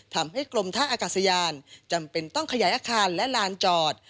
ทำให้กรมท่าอากาศยานจำเป็นต้องขยายอาคารและลานจอด